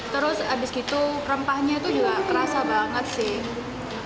terus habis gitu rempahnya itu juga kerasa banget sih